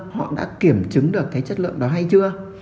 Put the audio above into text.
họ đã kiểm chứng được cái chất lượng đó hay chưa